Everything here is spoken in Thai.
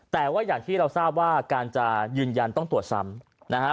แต่ว่าอย่างที่เราทราบว่าการจะยืนยันต้องตรวจซ้ำนะฮะ